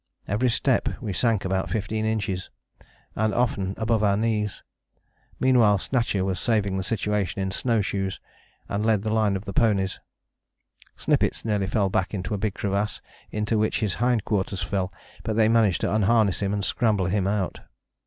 Every step we sank about fifteen inches, and often above our knees. Meanwhile Snatcher was saving the situation in snow shoes, and led the line of ponies. Snippets nearly fell back into a big crevasse, into which his hind quarters fell: but they managed to unharness him, and scramble him out.